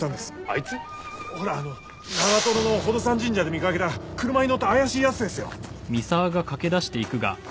ほらあの長の寳登山神社で見かけた車に乗った怪しい奴ですよ。